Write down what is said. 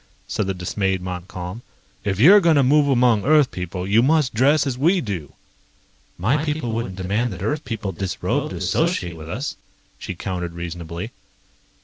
said the dismayed Montcalm. "If you're going to move among Earth people, you must dress as we do." "My people wouldn't demand that Earth people disrobe to associate with us," she countered reasonably.